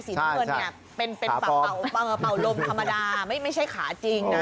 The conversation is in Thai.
น้ำเงินเนี่ยเป็นเป่าลมธรรมดาไม่ใช่ขาจริงนะ